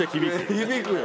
響くよ。